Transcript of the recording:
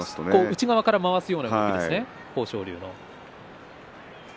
内側から回すような動きですね、豊昇龍の。